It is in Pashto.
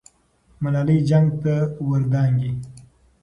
ملالۍ جنګ ته ور دانګي.